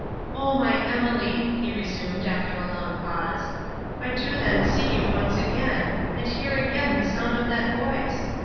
"O my Emily!" he resumed, after a long pause, "I do then see you once again, and hear again the sound of that voice!